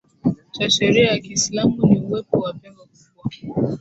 cha sheria ya Kiislamu ni uwepo wa pengo kubwa